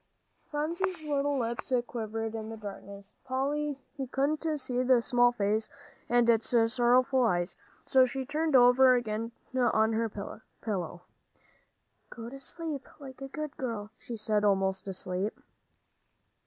Phronsie's little lips quivered. In the darkness Polly couldn't see the small face and its sorrowful eyes, so she turned over again on her pillow. "Go to sleep, like a good girl," she said, almost asleep.